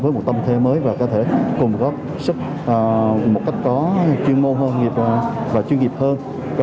với một tâm thế mới và có thể cùng góp sức một cách có chuyên môn hơn nghiệp và chuyên nghiệp hơn